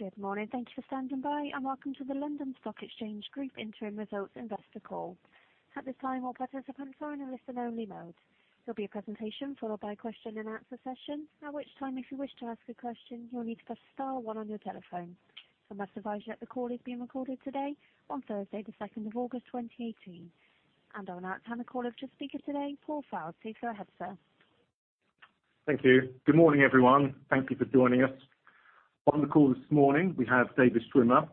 Good morning. Thank you for standing by, and welcome to the London Stock Exchange Group Interim Results Investor Call. At this time, all participants are in a listen-only mode. There'll be a presentation followed by a question-and-answer session. At which time, if you wish to ask a question, you'll need to press star one on your telephone. I must advise you that the call is being recorded today, on Thursday, the 2nd of August 2018. I'll now hand the call over to the speaker today, Paul Fowle. Please go ahead, sir. Thank you. Good morning, everyone. Thank you for joining us. On the call this morning, we have David Schwimmer,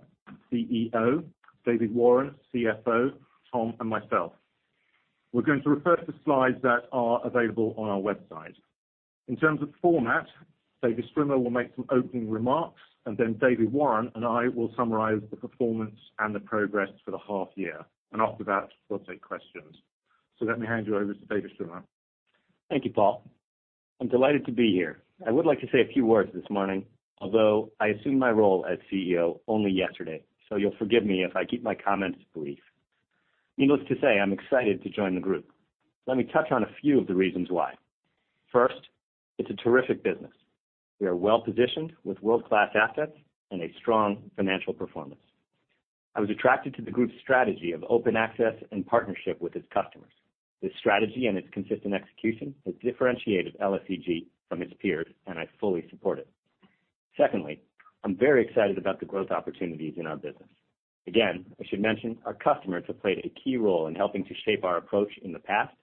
CEO, David Warren, CFO, Tom, and myself. We're going to refer to slides that are available on our website. In terms of format, David Schwimmer will make some opening remarks. David Warren and I will summarize the performance and the progress for the half year. After that, we'll take questions. Let me hand you over to David Schwimmer. Thank you, Paul. I'm delighted to be here. I would like to say a few words this morning, although I assumed my role as CEO only yesterday, so you'll forgive me if I keep my comments brief. Needless to say, I'm excited to join the group. Let me touch on a few of the reasons why. First, it's a terrific business. We are well-positioned with world-class assets and a strong financial performance. I was attracted to the group's strategy of open access and partnership with its customers. This strategy and its consistent execution has differentiated LSEG from its peers. I fully support it. Secondly, I'm very excited about the growth opportunities in our business. I should mention, our customers have played a key role in helping to shape our approach in the past.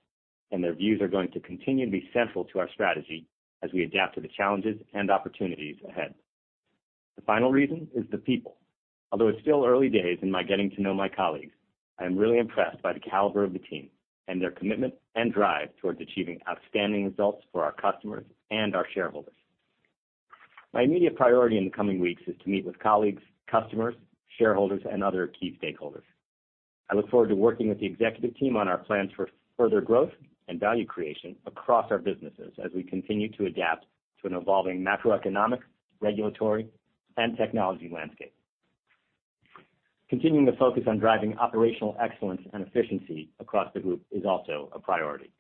Their views are going to continue to be central to our strategy as we adapt to the challenges and opportunities ahead. The final reason is the people. Although it's still early days in my getting to know my colleagues, I am really impressed by the caliber of the team and their commitment and drive towards achieving outstanding results for our customers and our shareholders. My immediate priority in the coming weeks is to meet with colleagues, customers, shareholders, and other key stakeholders. I look forward to working with the executive team on our plans for further growth and value creation across our businesses as we continue to adapt to an evolving macroeconomic, regulatory, and technology landscape. Continuing the focus on driving operational excellence and efficiency across the group is also a priority.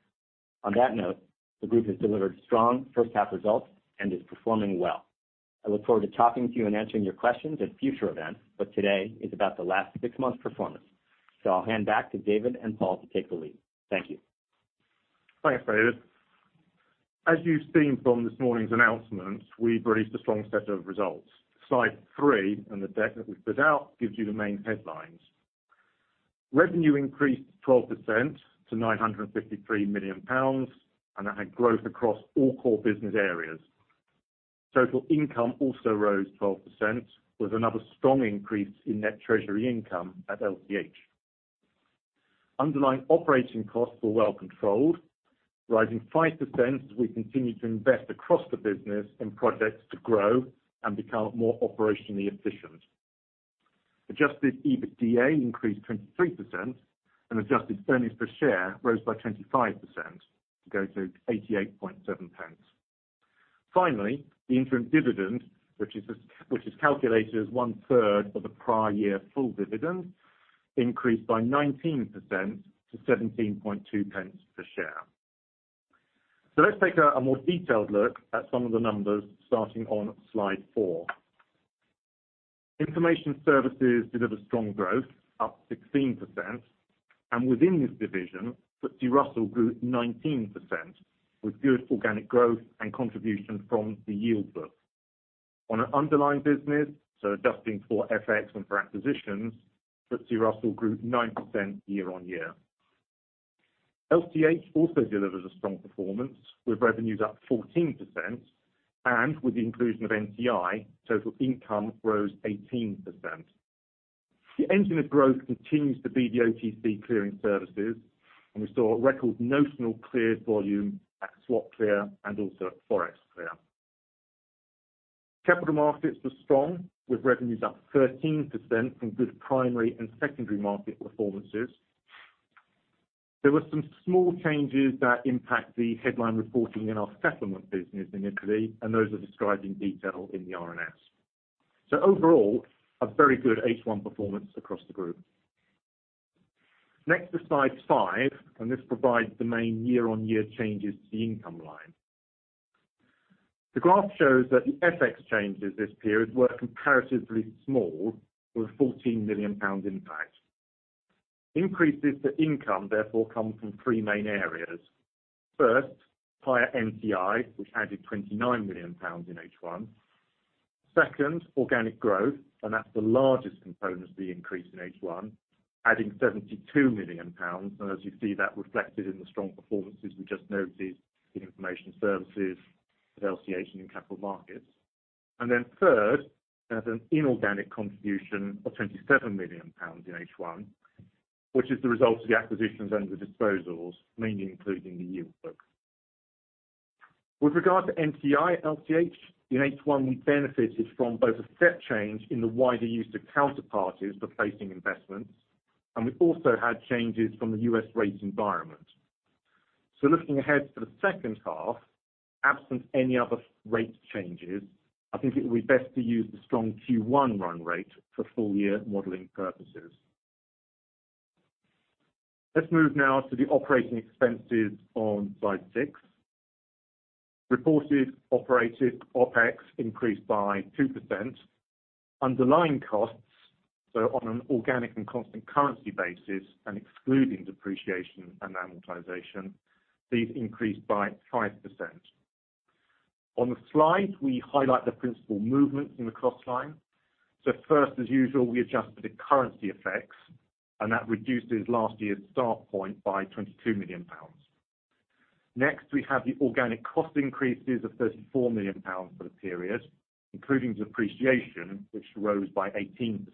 On that note, the group has delivered strong first half results and is performing well. I look forward to talking to you and answering your questions at future events, but today is about the last six months' performance. I'll hand back to David and Paul to take the lead. Thank you. Thanks, David. As you've seen from this morning's announcement, we've released a strong set of results. Slide three on the deck that we put out gives you the main headlines. Revenue increased 12% to 953 million pounds, and that had growth across all core business areas. Total income also rose 12%, with another strong increase in net treasury income at LCH. Underlying operating costs were well controlled, rising 5% as we continue to invest across the business in projects to grow and become more operationally efficient. Adjusted EBITDA increased 23%, and adjusted earnings per share rose by 25% to go to 0.887. Finally, the interim dividend, which is calculated as one-third of the prior year full dividend, increased by 19% to 0.172 per share. Let's take a more detailed look at some of the numbers, starting on slide four. Information Services deliver strong growth, up 16%, and within this division, FTSE Russell grew 19%, with good organic growth and contribution from the Yield Book. On an underlying business, adjusting for FX and for acquisitions, FTSE Russell grew 9% year-on-year. LCH also delivers a strong performance, with revenues up 14%, and with the inclusion of NTI, total income rose 18%. The engine of growth continues to be the OTC clearing services, and we saw a record notional cleared volume at SwapClear and also at ForexClear. Capital Markets was strong, with revenues up 13% from good primary and secondary market performances. There were some small changes that impact the headline reporting in our settlement business in Italy, and those are described in detail in the RNS. Overall, a very good H1 performance across the group. Next to slide five, this provides the main year-on-year changes to the income line. The graph shows that the FX changes this period were comparatively small, with a 14 million pound impact. Increases to income therefore come from three main areas. First, higher NTI, which added 29 million pounds in H1. Second, organic growth, that's the largest component of the increase in H1, adding 72 million pounds. As you see, that reflected in the strong performances we just noted in Information Services at LCH and in Capital Markets. Third, there's an inorganic contribution of 27 million pounds in H1, which is the result of the acquisitions and the disposals, mainly including the Yield Book. With regard to NTI at LCH, in H1, we benefited from both a step change in the wider use of counterparties for placing investments, and we also had changes from the U.S. rate environment. Looking ahead to the second half, absent any other rate changes, I think it would be best to use the strong Q1 run rate for full-year modeling purposes. Let's move now to the operating expenses on slide six. Reported operating OpEx increased by 2%. Underlying costs, on an organic and constant currency basis and excluding depreciation and amortization, these increased by 5%. On the slide, we highlight the principal movement in the cross line. First, as usual, we adjusted the currency effects, and that reduces last year's start point by 22 million pounds. Next, we have the organic cost increases of 34 million pounds for the period, including depreciation, which rose by 18%.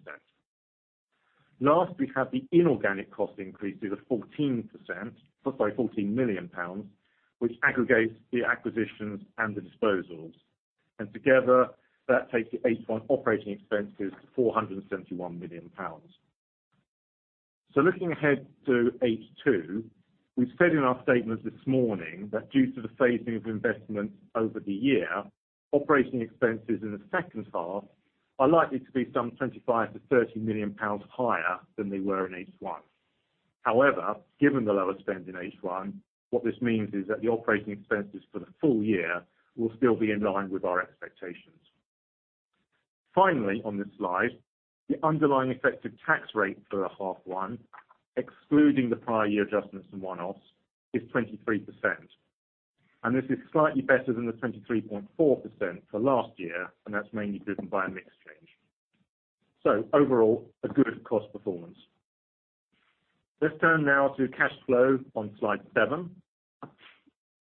Last, we have the inorganic cost increases of 14 million pounds, which aggregates the acquisitions and the disposals. Together, that takes the H1 operating expenses to 471 million pounds. Looking ahead to H2, we said in our statement this morning that due to the phasing of investments over the year, operating expenses in the second half are likely to be some 25 million-30 million pounds higher than they were in H1. However, given the level spend in H1, what this means is that the operating expenses for the full year will still be in line with our expectations. Finally, on this slide, the underlying effective tax rate for the half one, excluding the prior year adjustments and one-offs, is 23%. This is slightly better than the 23.4% for last year, and that's mainly driven by a mix change. Overall, a good cost performance. Let's turn now to cash flow on slide seven.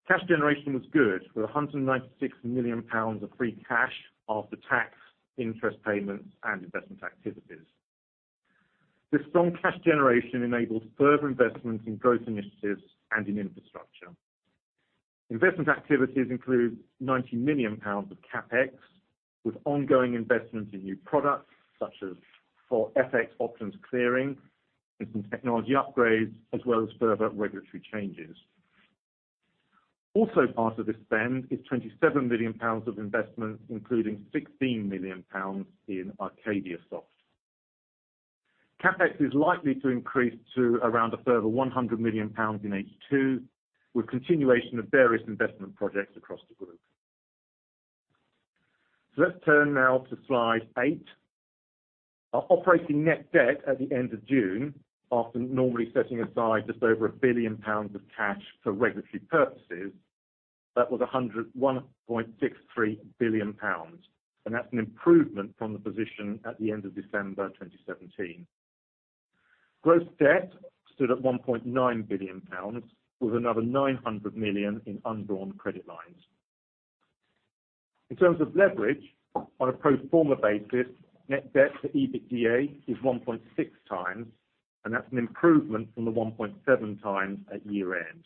Cash generation was good, with 196 million pounds of free cash after tax, interest payments, and investment activities. This strong cash generation enables further investments in growth initiatives and in infrastructure. Investment activities include 90 million pounds of CapEx, with ongoing investments in new products such as for FX options clearing, and some technology upgrades, as well as further regulatory changes. Also part of this spend is 27 million pounds of investment, including 16 million pounds in AcadiaSoft. CapEx is likely to increase to around a further 100 million pounds in H2, with continuation of various investment projects across the group. Let's turn now to slide eight. Our operating net debt at the end of June, after normally setting aside just over 1 billion pounds of cash for regulatory purposes, that was 1.63 billion pounds. That's an improvement from the position at the end of December 2017. Gross debt stood at 1.9 billion pounds, with another 900 million in undrawn credit lines. In terms of leverage, on a pro forma basis, net debt to EBITDA is 1.6 times, and that's an improvement from the 1.7 times at year-end.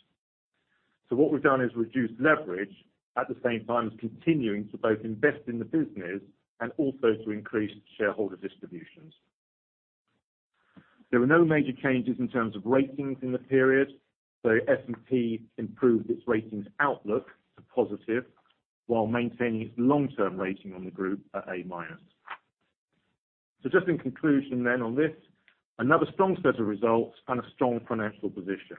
What we've done is reduced leverage, at the same time as continuing to both invest in the business and also to increase shareholder distributions. There were no major changes in terms of ratings in the period, S&P improved its ratings outlook to positive while maintaining its long-term rating on the group at A minus. Just in conclusion then on this, another strong set of results and a strong financial position.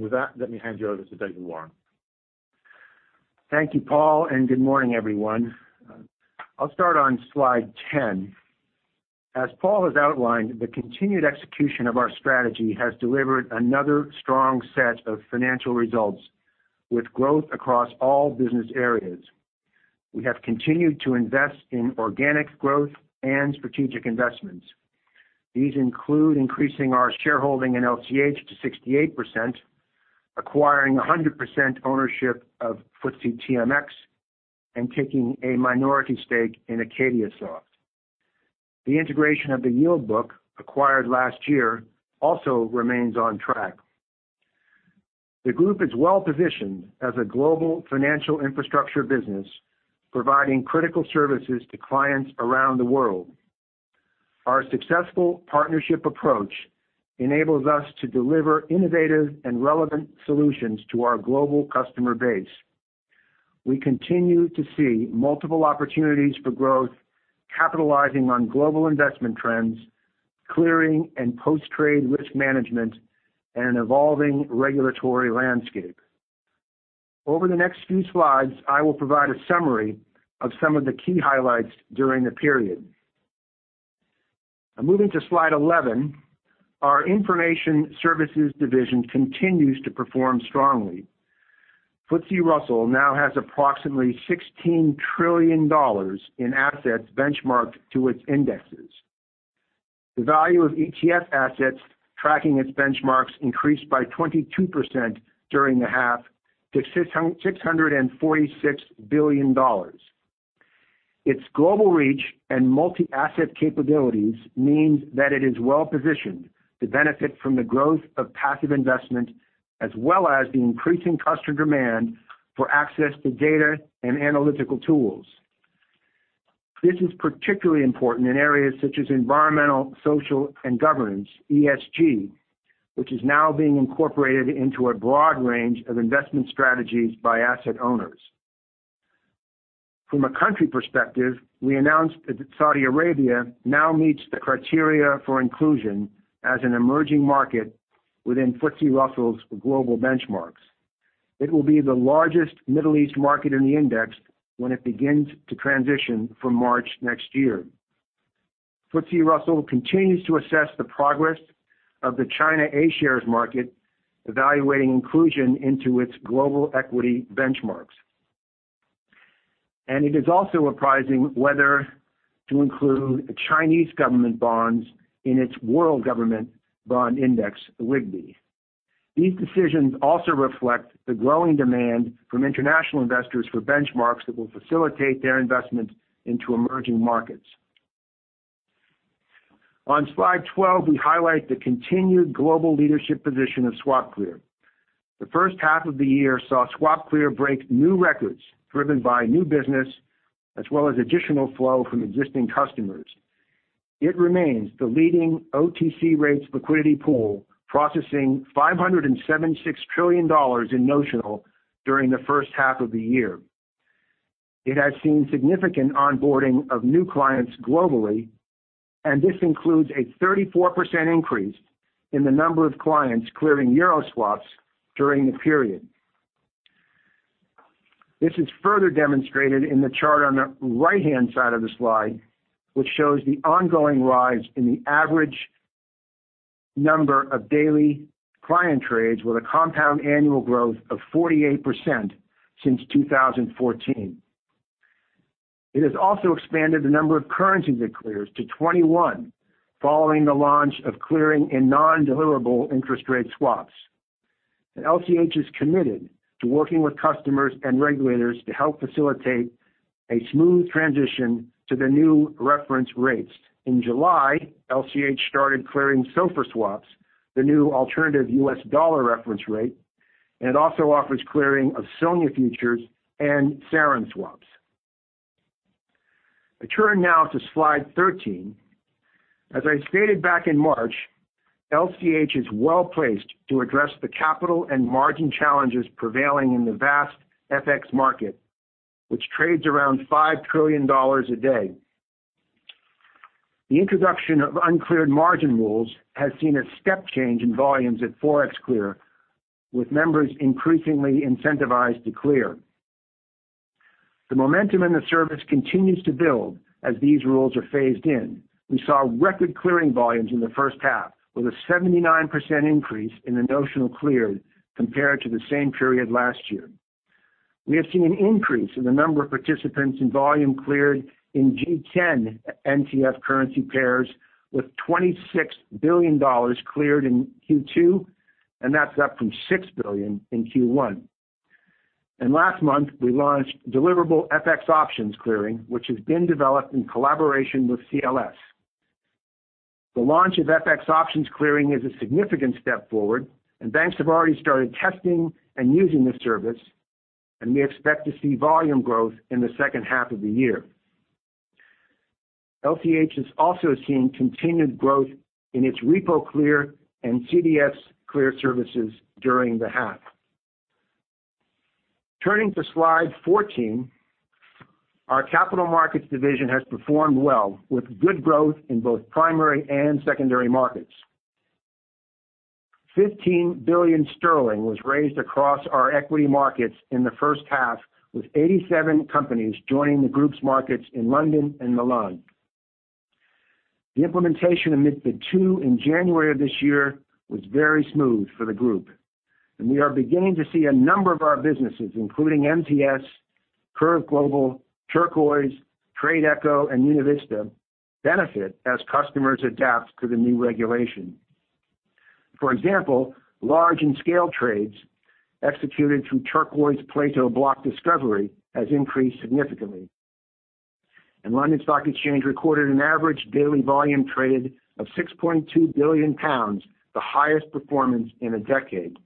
With that, let me hand you over to David Warren. Thank you, Paul, and good morning, everyone. I'll start on slide 10. As Paul has outlined, the continued execution of our strategy has delivered another strong set of financial results with growth across all business areas. We have continued to invest in organic growth and strategic investments. These include increasing our shareholding in LCH to 68%, acquiring 100% ownership of FTSE TMX, and taking a minority stake in AcadiaSoft. The integration of the Yield Book acquired last year also remains on track. The group is well-positioned as a global financial infrastructure business, providing critical services to clients around the world. Our successful partnership approach enables us to deliver innovative and relevant solutions to our global customer base. We continue to see multiple opportunities for growth, capitalizing on global investment trends, clearing and post-trade risk management, and an evolving regulatory landscape. Over the next few slides, I will provide a summary of some of the key highlights during the period. Moving to slide 11, our Information Services division continues to perform strongly. FTSE Russell now has approximately GBP 16 trillion in assets benchmarked to its indexes. The value of ETF assets tracking its benchmarks increased by 22% during the half to GBP 646 billion. Its global reach and multi-asset capabilities means that it is well-positioned to benefit from the growth of passive investment, as well as the increasing customer demand for access to data and analytical tools. This is particularly important in areas such as environmental, social, and governance, ESG, which is now being incorporated into a broad range of investment strategies by asset owners. From a country perspective, we announced that Saudi Arabia now meets the criteria for inclusion as an emerging market within FTSE Russell's global benchmarks. It will be the largest Middle East market in the index when it begins to transition from March next year. FTSE Russell continues to assess the progress of the China A-shares market, evaluating inclusion into its global equity benchmarks. It is also appraising whether to include Chinese government bonds in its World Government Bond Index, WGBI. These decisions also reflect the growing demand from international investors for benchmarks that will facilitate their investment into emerging markets. On slide 12, we highlight the continued global leadership position of SwapClear. The first half of the year saw SwapClear break new records driven by new business as well as additional flow from existing customers. It remains the leading OTC rates liquidity pool, processing $576 trillion in notional during the first half of the year. It has seen significant onboarding of new clients globally, this includes a 34% increase in the number of clients clearing EUR swaps during the period. This is further demonstrated in the chart on the right-hand side of the slide, which shows the ongoing rise in the average number of daily client trades with a compound annual growth of 48% since 2014. It has also expanded the number of currencies it clears to 21 following the launch of clearing in non-deliverable interest rate swaps. LCH is committed to working with customers and regulators to help facilitate a smooth transition to the new reference rates. In July, LCH started clearing SOFR swaps, the new alternative US dollar reference rate, it also offers clearing of SONIA futures and SARON swaps. I turn now to slide 13. As I stated back in March, LCH is well-placed to address the capital and margin challenges prevailing in the vast FX market, which trades around $5 trillion a day. The introduction of uncleared margin rules has seen a step change in volumes at ForexClear, with members increasingly incentivized to clear. The momentum in the service continues to build as these rules are phased in. We saw record clearing volumes in the first half, with a 79% increase in the notional cleared compared to the same period last year. We have seen an increase in the number of participants in volume cleared in G10 NDF currency pairs with $26 billion cleared in Q2, that's up from $6 billion in Q1. Last month, we launched deliverable FX options clearing, which has been developed in collaboration with CLS. The launch of FX options clearing is a significant step forward, and banks have already started testing and using this service, and we expect to see volume growth in the second half of the year. LCH has also seen continued growth in its RepoClear and CDSClear services during the half. Turning to slide 14, our Capital Markets division has performed well with good growth in both primary and secondary markets. 15 billion sterling was raised across our equity markets in the first half, with 87 companies joining the Group's markets in London and Milan. The implementation of MiFID II in January of this year was very smooth for the Group, and we are beginning to see a number of our businesses, including MTS, CurveGlobal, Turquoise, TRADEcho, and UnaVista benefit as customers adapt to the new regulation. For example, large and scale trades executed through Turquoise Plato Block Discovery has increased significantly. London Stock Exchange recorded an average daily volume traded of 6.2 billion pounds, the highest performance in a decade.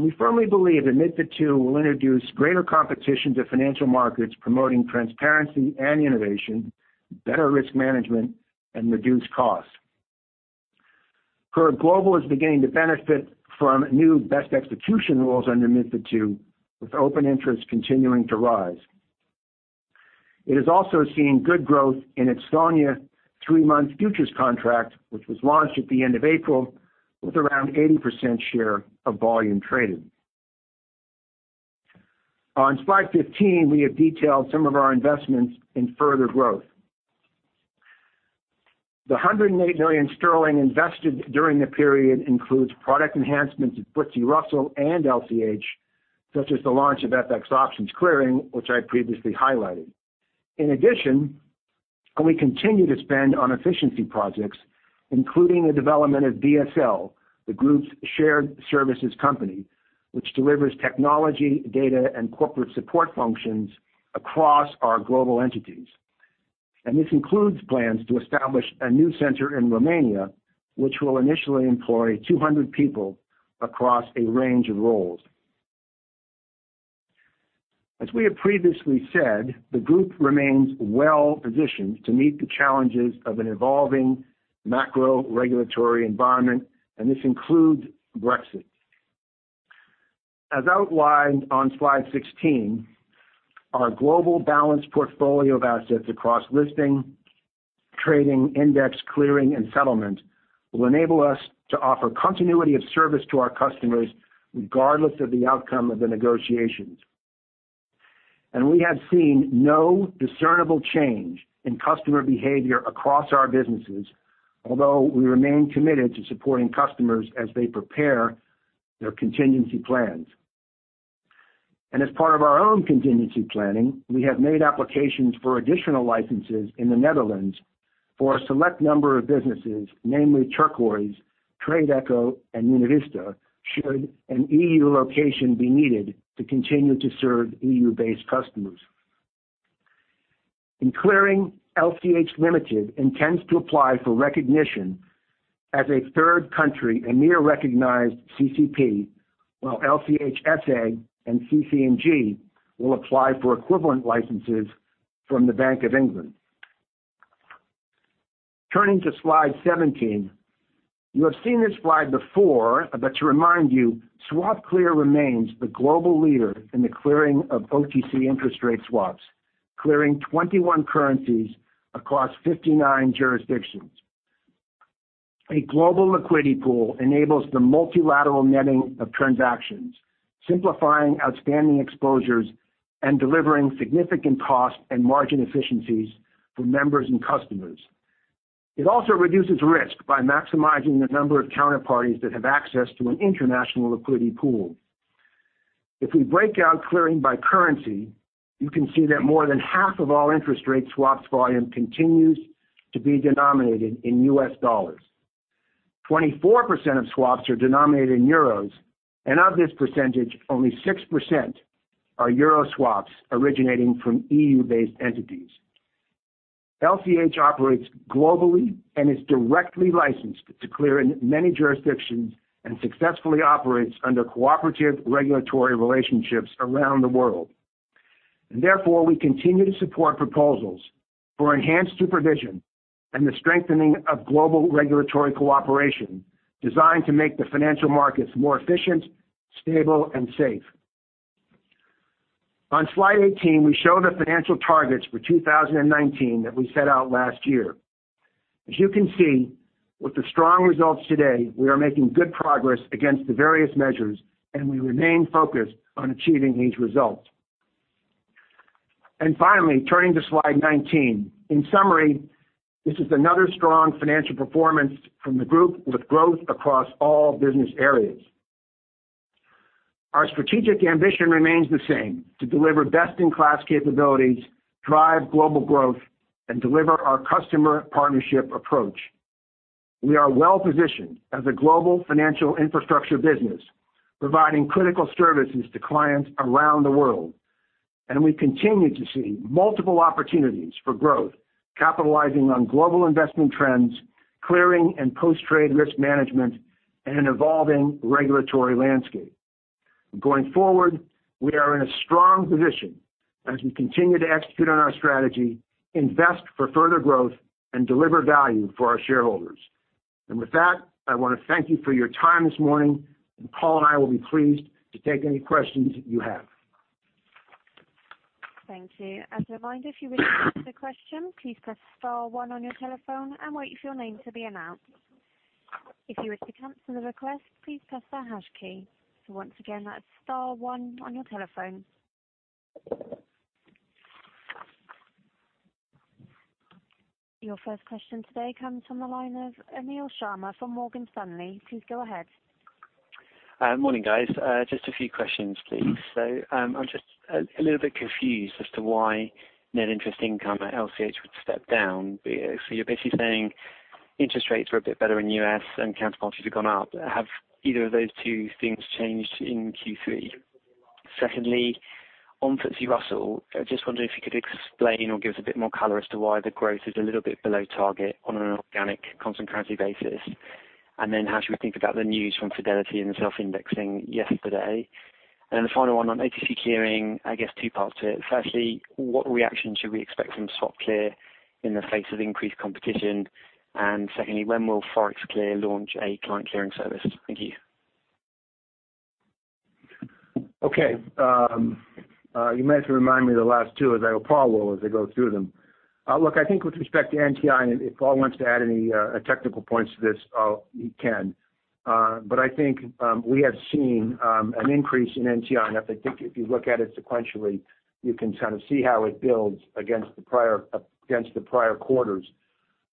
We firmly believe MiFID II will introduce greater competition to financial markets, promoting transparency and innovation, better risk management, and reduced costs. CurveGlobal is beginning to benefit from new best execution rules under MiFID II, with open interest continuing to rise. It has also seen good growth in its SONIA three-month futures contract, which was launched at the end of April with around 80% share of volume traded. On slide 15, we have detailed some of our investments in further growth. The 108 million sterling invested during the period includes product enhancements at FTSE Russell and LCH, such as the launch of FX options clearing, which I previously highlighted. In addition, we continue to spend on efficiency projects, including the development of BSL, the Group's shared services company, which delivers technology, data, and corporate support functions across our global entities. This includes plans to establish a new center in Romania, which will initially employ 200 people across a range of roles. As we have previously said, the Group remains well-positioned to meet the challenges of an evolving macro regulatory environment, and this includes Brexit. As outlined on slide 16, our global balanced portfolio of assets across listing, trading, index, clearing, and settlement will enable us to offer continuity of service to our customers regardless of the outcome of the negotiations. We have seen no discernible change in customer behavior across our businesses, although we remain committed to supporting customers as they prepare their contingency plans. As part of our own contingency planning, we have made applications for additional licenses in the Netherlands for a select number of businesses, namely Turquoise, TRADEcho, and UnaVista, should an EU location be needed to continue to serve EU-based customers. In clearing, LCH Limited intends to apply for recognition as a third country, a near-recognized CCP, while LCH SA and CC&G will apply for equivalent licenses from the Bank of England. Turning to slide 17. You have seen this slide before, but to remind you, SwapClear remains the global leader in the clearing of OTC interest rate swaps, clearing 21 currencies across 59 jurisdictions. A global liquidity pool enables the multilateral netting of transactions, simplifying outstanding exposures, and delivering significant cost and margin efficiencies for members and customers. It also reduces risk by maximizing the number of counterparties that have access to an international liquidity pool. If we break out clearing by currency, you can see that more than half of all interest rate swaps volume continues to be denominated in US dollars. 24% of swaps are denominated in euros, and of this percentage, only 6% are euro swaps originating from EU-based entities. LCH operates globally and is directly licensed to clear in many jurisdictions and successfully operates under cooperative regulatory relationships around the world. Therefore, we continue to support proposals for enhanced supervision and the strengthening of global regulatory cooperation designed to make the financial markets more efficient, stable, and safe. On slide 18, we show the financial targets for 2019 that we set out last year. As you can see, with the strong results today, we are making good progress against the various measures, and we remain focused on achieving these results. Finally, turning to slide 19. In summary, this is another strong financial performance from the group, with growth across all business areas. Our strategic ambition remains the same, to deliver best-in-class capabilities, drive global growth, and deliver our customer partnership approach. We are well-positioned as a global financial infrastructure business, providing critical services to clients around the world. We continue to see multiple opportunities for growth, capitalizing on global investment trends, clearing and post-trade risk management in an evolving regulatory landscape. Going forward, we are in a strong position as we continue to execute on our strategy, invest for further growth, and deliver value for our shareholders. With that, I want to thank you for your time this morning, and Paul and I will be pleased to take any questions you have. Thank you. As a reminder, if you wish to ask a question, please press star one on your telephone and wait for your name to be announced. If you wish to cancel the request, please press the hash key. So once again, that's star one on your telephone. Your first question today comes from the line of Anil Sharma from Morgan Stanley. Please go ahead. Morning, guys. Just a few questions, please. I'm just a little bit confused as to why net interest income at LCH would step down. You're basically saying interest rates were a bit better in the U.S. and counterparties have gone up. Have either of those two things changed in Q3? Secondly, on FTSE Russell, I'm just wondering if you could explain or give us a bit more color as to why the growth is a little bit below target on an organic constant currency basis. How should we think about the news from Fidelity and self-indexing yesterday? The final one on OTC clearing, I guess two parts to it. Firstly, what reaction should we expect from SwapClear in the face of increased competition? Secondly, when will ForexClear launch a client clearing service? Thank you. Okay. You may have to remind me of the last two or Paul will, as I go through them. I think with respect to NTI, if Paul wants to add any technical points to this, he can. I think we have seen an increase in NTI. I think if you look at it sequentially, you can kind of see how it builds against the prior quarters.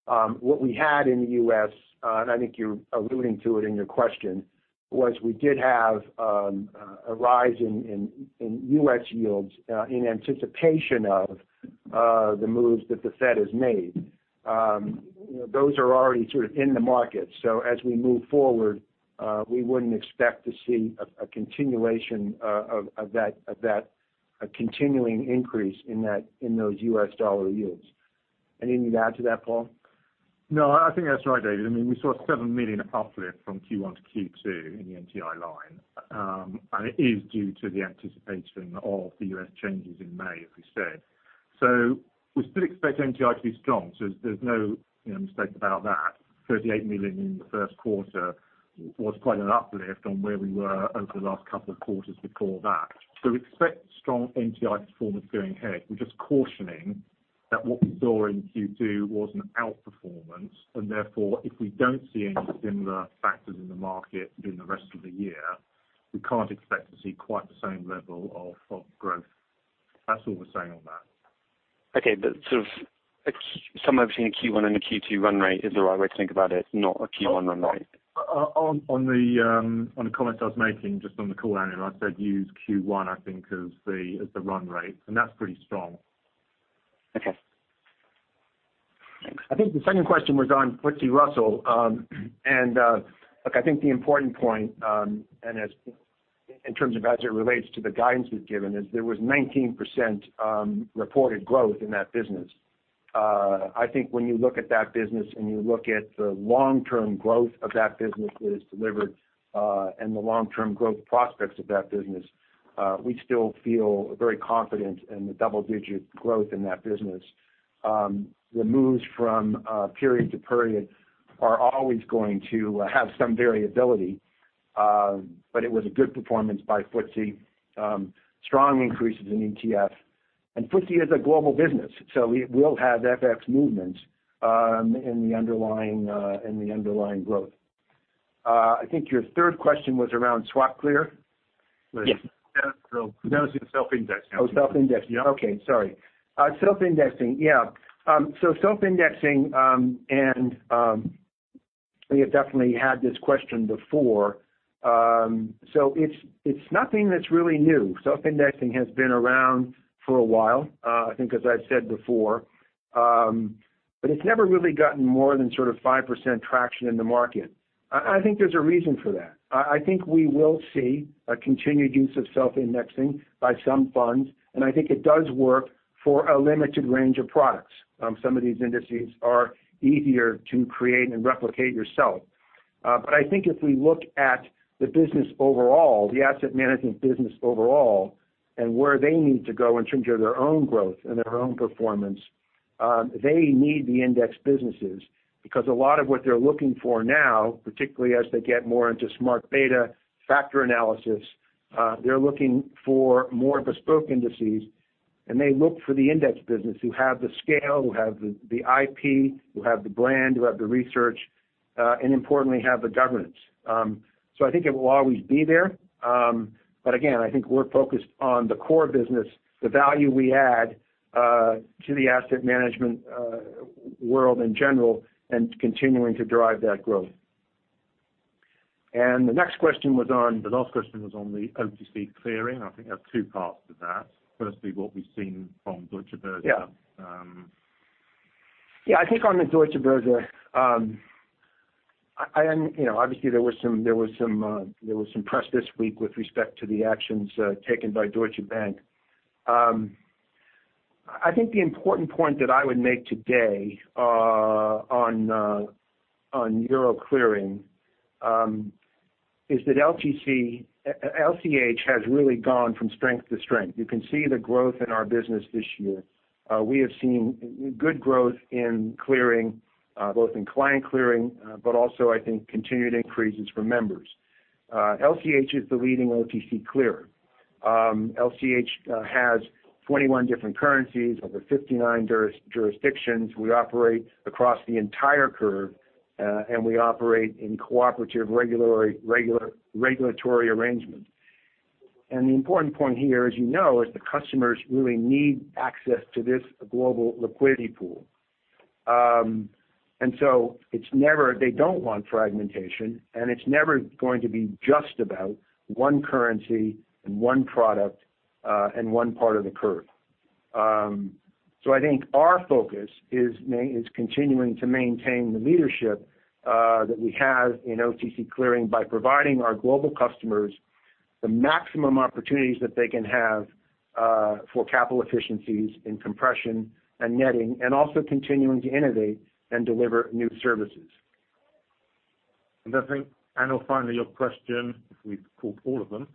What we had in the U.S., and I think you're alluding to it in your question, was we did have a rise in U.S. yields in anticipation of the moves that the Fed has made. Those are already sort of in the market. As we move forward, we wouldn't expect to see a continuation of that continuing increase in those U.S. dollar yields. Anything to add to that, Paul? No, I think that's right, David. We saw a 7 million uplift from Q1 to Q2 in the NTI line. It is due to the anticipating of the U.S. changes in May, as we said. We still expect NTI to be strong. There's no mistake about that. 38 million in the first quarter was quite an uplift on where we were over the last couple of quarters before that. Expect strong NTI performance going ahead. We're just cautioning that what we saw in Q2 was an out-performance, and therefore, if we don't see any similar factors in the market during the rest of the year, we can't expect to see quite the same level of growth. That's all we're saying on that. Okay. Somewhere between the Q1 and the Q2 run rate is the right way to think about it, not a Q1 run rate. On the comments I was making just on the call, Anil, I said use Q1, I think, as the run rate, that's pretty strong. Okay. Thanks. I think the second question was on FTSE Russell. Look, I think the important point, and in terms of as it relates to the guidance we've given, is there was 19% reported growth in that business. I think when you look at that business and you look at the long-term growth of that business that is delivered, and the long-term growth prospects of that business, we still feel very confident in the double-digit growth in that business. The moves from period to period are always going to have some variability, but it was a good performance by FTSE. Strong increases in ETF. FTSE is a global business, so we will have FX movements in the underlying growth. I think your third question was around SwapClear? Yes. That was the self-indexing. Oh, self-indexing. Yeah. Okay. Sorry. Self-indexing, yeah. Self-indexing, and we have definitely had this question before. It's nothing that's really new. Self-indexing has been around for a while, I think as I've said before. It's never really gotten more than 5% traction in the market. I think there's a reason for that. I think we will see a continued use of self-indexing by some funds, and I think it does work for a limited range of products. Some of these indices are easier to create and replicate yourself. I think if we look at the business overall, the asset management business overall, and where they need to go in terms of their own growth and their own performance, they need the index businesses because a lot of what they're looking for now, particularly as they get more into Smart Beta factor analysis, they're looking for more bespoke indices, and they look for the index business who have the scale, who have the IP, who have the brand, who have the research, and importantly, have the governance. I think it will always be there. Again, I think we're focused on the core business, the value we add to the asset management world in general, and continuing to drive that growth. The next question was on- The last question was on the OTC clearing. I think there are two parts to that. Firstly, what we've seen from Deutsche Börse. Yeah. I think on the Deutsche Börse, obviously there was some press this week with respect to the actions taken by Deutsche Bank. I think the important point that I would make today on Euro clearing is that LCH has really gone from strength to strength. You can see the growth in our business this year. We have seen good growth in clearing, both in client clearing, but also, I think, continued increases for members. LCH is the leading OTC clearer. LCH has 21 different currencies, over 59 jurisdictions. We operate across the entire curve, and we operate in cooperative regulatory arrangements. The important point here, as you know, is the customers really need access to this global liquidity pool. They don't want fragmentation, and it's never going to be just about one currency and one product and one part of the curve. I think our focus is continuing to maintain the leadership that we have in OTC clearing by providing our global customers the maximum opportunities that they can have for capital efficiencies in compression and netting, also continuing to innovate and deliver new services. I think, Anil, finally, your question, if we've caught all of them,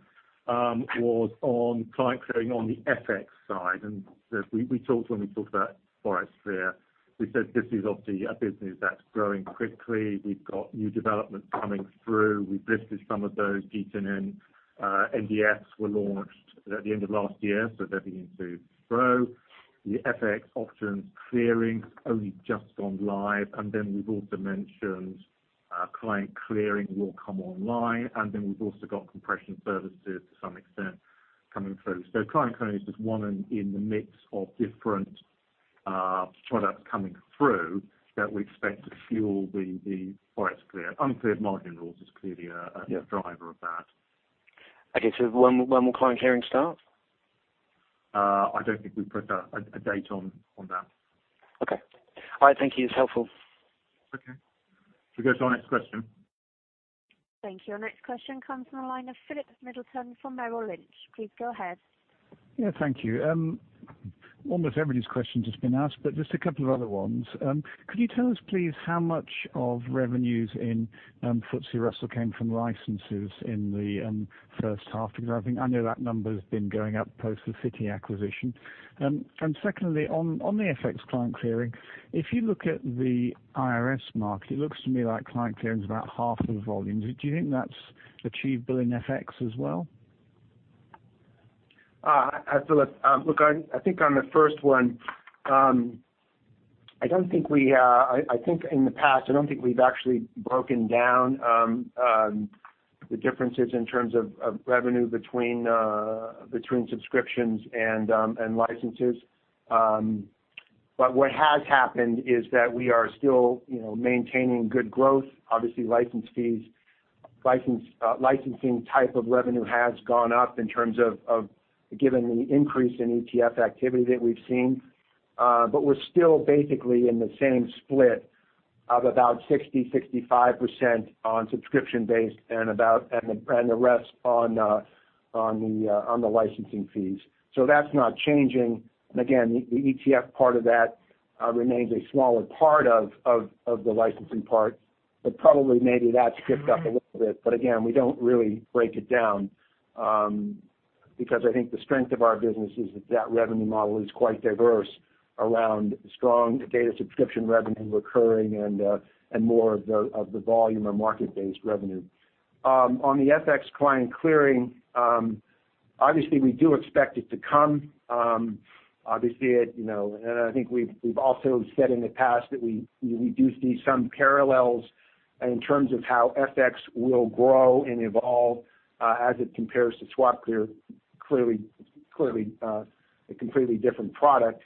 was on client clearing on the FX side. As we talked when we talked about ForexClear, we said this is obviously a business that's growing quickly. We've got new developments coming through. We've listed some of those, G10, NDFs were launched at the end of last year, so they're beginning to grow. The FX options clearing only just gone live. We've also mentioned client clearing will come online. We've also got compression services to some extent coming through. Client clearing is just one in the mix of different products coming through that we expect to fuel the ForexClear. Uncleared margin rules is clearly a driver of that. Okay. When will client clearing start? I don't think we've put a date on that. Okay. All right. Thank you. It's helpful. Okay. We'll go to our next question. Thank you. Our next question comes from the line of Philip Middleton from Merrill Lynch. Please go ahead. Thank you. Almost everybody's questions has been asked, just a couple of other ones. Could you tell us, please, how much of revenues in FTSE Russell came from licenses in the first half? I know that number's been going up post the Citi acquisition. Secondly, on the FX client clearing, if you look at the IRS market, it looks to me like client clearing is about half of the volume. Do you think that's achievable in FX as well? Hi, Philip. Look, I think on the first one, I think in the past, I don't think we've actually broken down the differences in terms of revenue between subscriptions and licenses. What has happened is that we are still maintaining good growth. Obviously licensing type of revenue has gone up in terms of, given the increase in ETF activity that we've seen. We're still basically in the same split of about 60%-65% on subscription-based and the rest on the licensing fees. That's not changing. Again, the ETF part of that remains a smaller part of the licensing part. Probably maybe that's drift up a little bit. Again, we don't really break it down, because I think the strength of our business is that revenue model is quite diverse around strong data subscription revenue recurring and more of the volume or market-based revenue. On the FX client clearing, obviously we do expect it to come. Obviously, I think we've also said in the past that we do see some parallels in terms of how FX will grow and evolve, as it compares to SwapClear, a completely different product.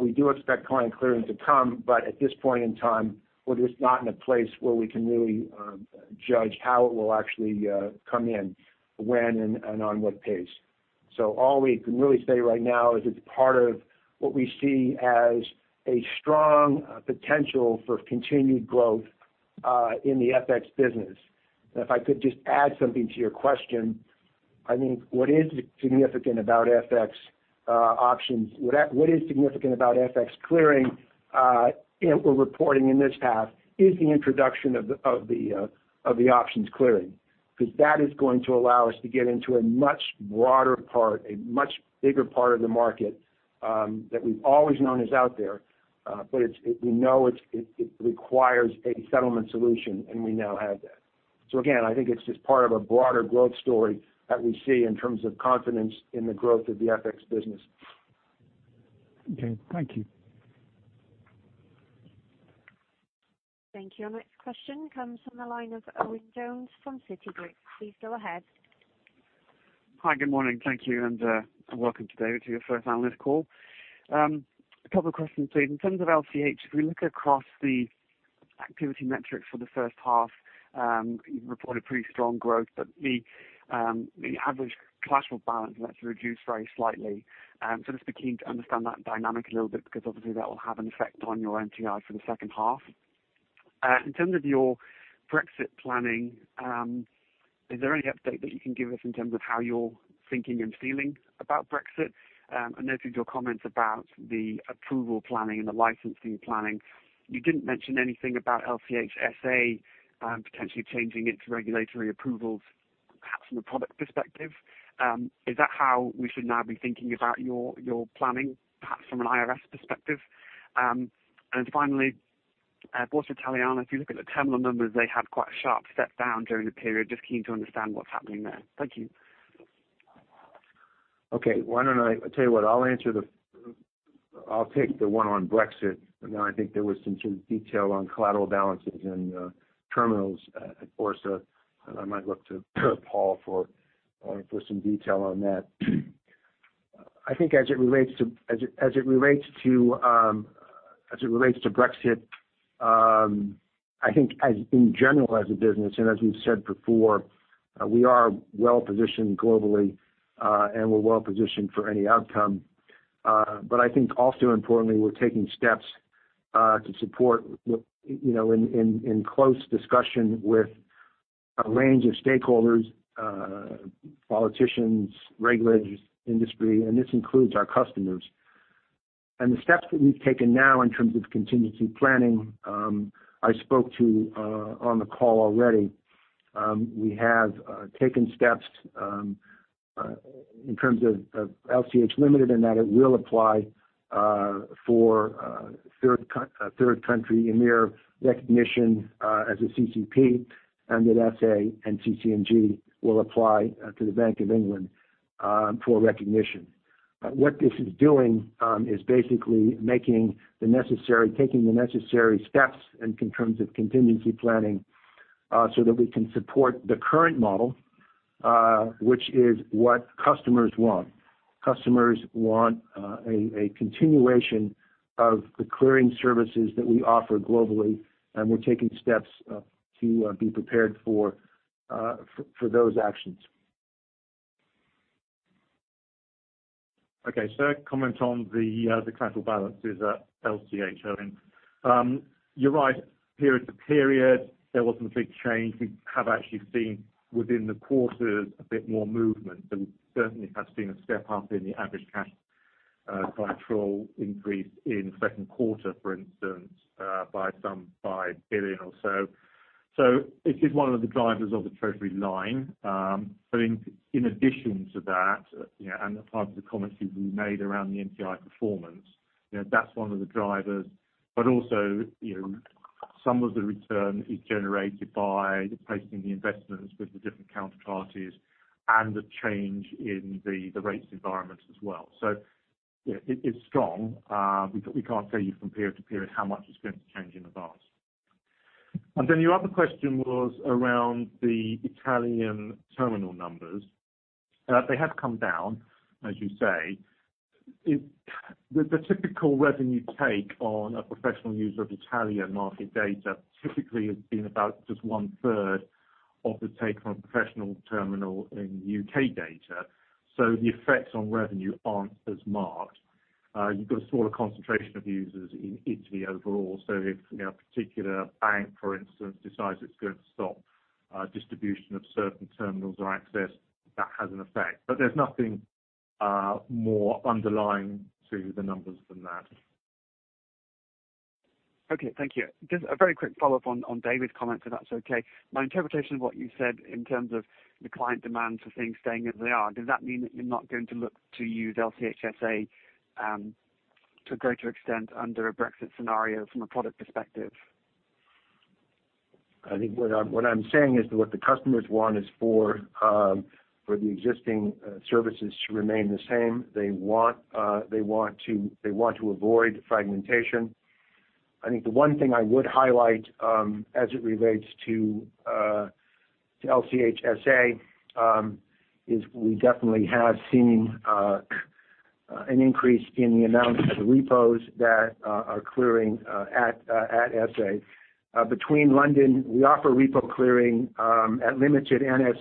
We do expect client clearing to come, but at this point in time, we're just not in a place where we can really judge how it will actually come in, when, and on what pace. All we can really say right now is it's part of what we see as a strong potential for continued growth, in the FX business. If I could just add something to your question, I think what is significant about FX clearing, we're reporting in this path, is the introduction of the options clearing. That is going to allow us to get into a much broader part, a much bigger part of the market, that we've always known is out there. We know it requires a settlement solution, and we now have that. Again, I think it's just part of a broader growth story that we see in terms of confidence in the growth of the FX business. Okay. Thank you. Thank you. Our next question comes from the line of Owen Jones from Citigroup. Please go ahead. Hi, good morning. Thank you and welcome today to your first analyst call. A couple of questions, please. In terms of LCH, if we look across the activity metrics for the first half, you've reported pretty strong growth, but the average collateral balance has reduced very slightly. Just be keen to understand that dynamic a little bit, because obviously that will have an effect on your NTI for the second half. In terms of your Brexit planning, is there any update that you can give us in terms of how you're thinking and feeling about Brexit? I noted your comments about the approval planning and the licensing planning. You didn't mention anything about LCH SA potentially changing its regulatory approvals, perhaps from a product perspective. Is that how we should now be thinking about your planning, perhaps from an IRS perspective? Finally, Borsa Italiana, if you look at the terminal numbers, they had quite a sharp step down during the period. Just keen to understand what's happening there. Thank you. Okay. Why don't I tell you what, I'll take the one on Brexit. I think there was some detail on collateral balances and terminals at Borsa. I might look to Paul for some detail on that. I think as it relates to Brexit, I think in general as a business, and as we've said before, we are well-positioned globally, and we're well-positioned for any outcome. I think also importantly, we're taking steps to support in close discussion with a range of stakeholders, politicians, regulators, industry, and this includes our customers. The steps that we've taken now in terms of contingency planning, I spoke to on the call already. We have taken steps in terms of LCH Limited, and that it will apply for third country EMIR recognition as a CCP, and that SA and CC&G will apply to the Bank of England for recognition. What this is doing is basically taking the necessary steps in terms of contingency planning, so that we can support the current model, which is what customers want. Customers want a continuation of the clearing services that we offer globally, and we're taking steps to be prepared for those actions. Okay. Comment on the collateral balances at LCH, Owen. You're right, period to period, there wasn't a big change. We have actually seen within the quarters a bit more movement, and certainly has been a step up in the average cash A quite large increase in the second quarter, for instance, by some 1 billion or so. It is one of the drivers of the treasury line. In addition to that, and apart from the comments that we made around the NTI performance, that's one of the drivers, but also some of the return is generated by placing the investments with the different counterparties and the change in the rates environment as well. It's strong. We can't tell you from period to period how much it's going to change in advance. Your other question was around the Italian terminal numbers. They have come down, as you say. The typical revenue take on a professional user of Italian market data typically has been about just one-third of the take on professional terminal in U.K. data. The effects on revenue aren't as marked. You've got a smaller concentration of users in Italy overall. If a particular bank, for instance, decides it's going to stop distribution of certain terminals or access, that has an effect. There's nothing more underlying to the numbers than that. Okay. Thank you. Just a very quick follow-up on David's comment, if that's okay. My interpretation of what you said in terms of the client demand for things staying as they are, does that mean that you're not going to look to use LCH SA to a greater extent under a Brexit scenario from a product perspective? I think what I'm saying is what the customers want is for the existing services to remain the same. They want to avoid fragmentation. I think the one thing I would highlight, as it relates to LCH SA, is we definitely have seen an increase in the amount of repos that are clearing at SA. Between London, we offer repo clearing at LCH Limited and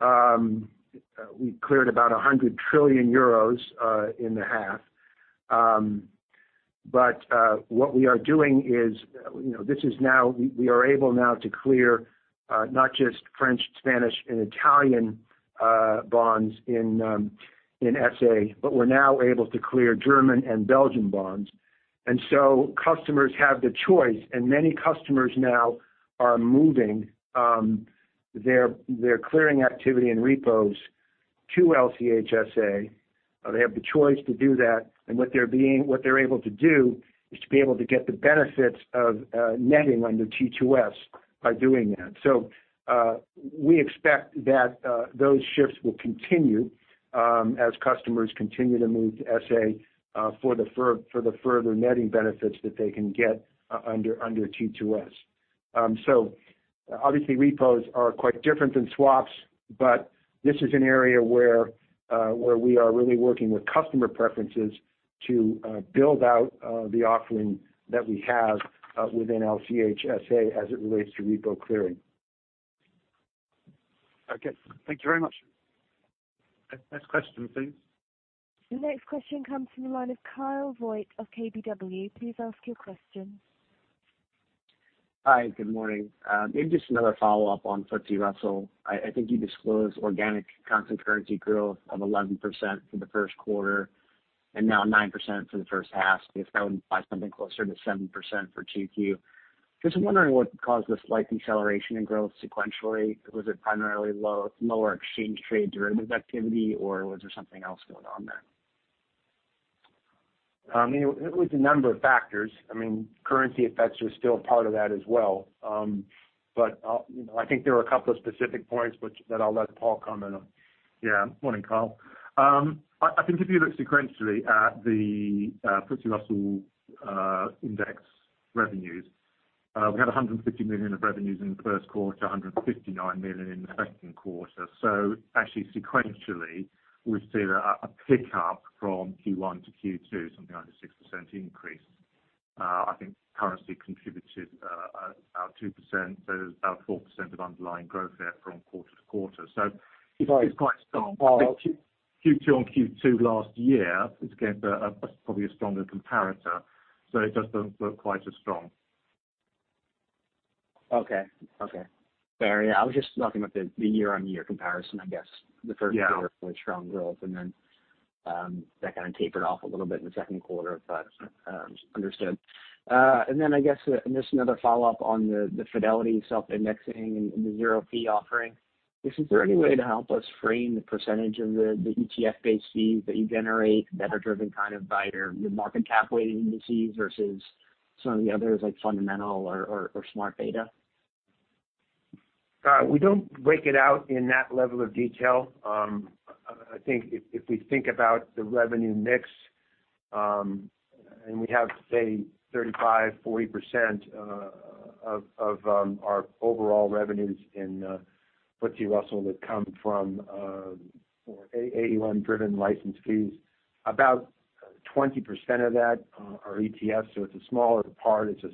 SA. We cleared about EUR 100 trillion in the half. What we are doing is, we are able now to clear not just French, Spanish, and Italian bonds in SA, but we're now able to clear German and Belgian bonds. Customers have the choice, and many customers now are moving their clearing activity and repos to LCH SA. They have the choice to do that, and what they're able to do is to be able to get the benefits of netting under T2S by doing that. We expect that those shifts will continue as customers continue to move to SA for the further netting benefits that they can get under T2S. Obviously, repos are quite different than swaps, but this is an area where we are really working with customer preferences to build out the offering that we have within LCH SA as it relates to repo clearing. Okay. Thank you very much. Next question, please. The next question comes from the line of Kyle Voigt of KBW. Please ask your question. Hi, good morning. Maybe just another follow-up on FTSE Russell. I think you disclosed organic constant currency growth of 11% for the first quarter and now 9% for the first half. I guess that would imply something closer to 7% for 2Q. Just wondering what caused the slight deceleration in growth sequentially. Was it primarily lower exchange-traded derivatives activity, or was there something else going on there? It was a number of factors. Currency effects are still part of that as well. I think there were a couple of specific points which that I'll let Paul comment on. Morning, Kyle. I think if you look sequentially at the FTSE Russell Index revenues, we had 150 million of revenues in the first quarter, 159 million in the second quarter. Actually sequentially, we've seen a pick-up from Q1 to Q2, something like a 6% increase. I think currency contributed about 2%, there's about 4% of underlying growth there from quarter to quarter. It's quite strong. Q2 on Q2 last year, it's again, probably a stronger comparator, so it doesn't look quite as strong. Okay. Fair. I was just talking about the year-on-year comparison, I guess. The first quarter Yeah was really strong growth, that kind of tapered off a little bit in the second quarter, understood. I guess just another follow-up on the Fidelity self-indexing and the zero fee offering. Just is there any way to help us frame the percentage of the ETF-based fees that you generate that are driven by your market cap weighting indices versus some of the others, like fundamental or Smart Beta? We don't break it out in that level of detail. I think if we think about the revenue mix, and we have, say, 35%-40% of our overall revenues in FTSE Russell that come from AUM-driven license fees. About 20% of that are ETFs, it's a smaller part. It's